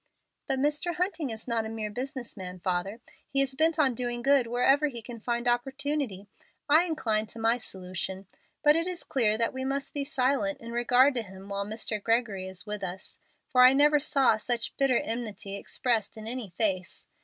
"But Mr. Hunting is not a mere business man, father. He is bent on doing good wherever he can find opportunity. I incline to my solution. But it is clear that we must be silent in regard to him while Mr. Gregory is with us, for I never saw such bitter enmity expressed in any face.